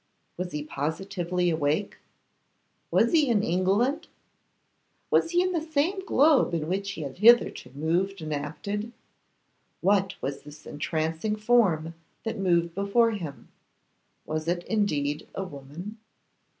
Was he positively awake? Was he in England? Was he in the same globe in which he had hitherto moved and acted? What was this entrancing form that moved before him? Was it indeed a woman?